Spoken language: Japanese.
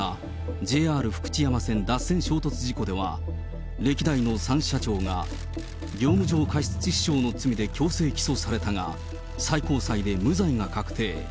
ＪＲ福知山線脱線衝突事故では、歴代の３社長が、業務上過失致死傷の罪で強制起訴されたが、最高裁で無罪が確定。